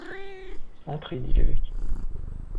Entrez, dit l’évêque.